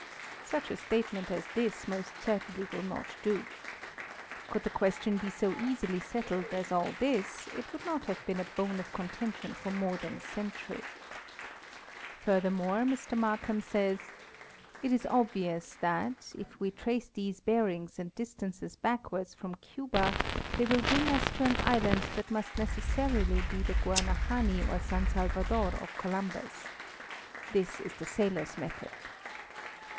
Such a statement as this most certainly will not do. Could the ques tion be so easily settled as all this, it would not have been a bone of contention for more than acentury. Furthermore, Mr Mark ham says: "It is obvious that, if we trace these bearings and distances backwards from Cuba they will bring us to an island that must necessarily be the Guanahani or San Salvador of Columbus. This is the sailor's method."